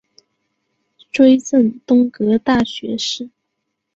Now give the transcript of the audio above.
追赠东阁大学士。